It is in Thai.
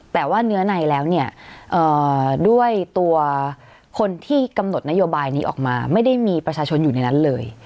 แต่ว่าเนื้อในแล้วเนี่ยด้วยตัวคนที่กำหนดนโยบายนี้ออกมาไม่ได้มีประชาชนอยู่ในนั้นเลย